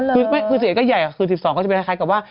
อ๋อหรือคือสิ่งที่ก็ใหญ่คือ๑๒ก็จะเป็นคล้ายกับว่า